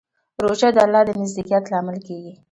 روژه د الله د نزدېکت لامل کېږي.